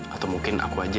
atau mungkin aku aja